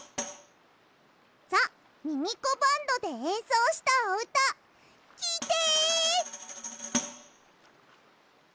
ザ・ミミコバンドでえんそうしたおうたきいて！